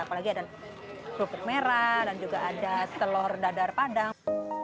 apalagi ada kerupuk merah dan juga ada telur dadar padang